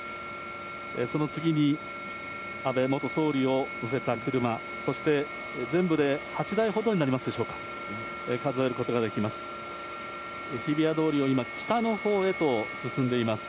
その次に安倍元総理を乗せた車、そして全部で８台ほどになりますでしょうか、数えることができます。